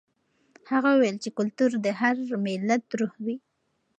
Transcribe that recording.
هغه وویل چې کلتور د هر ملت روح وي.